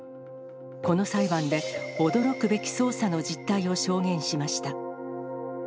この裁判で、驚くべき捜査の実態を証言しました。